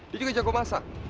dia juga jago masak